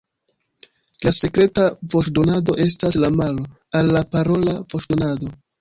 La sekreta voĉdonado estas la malo al la parola voĉdonado.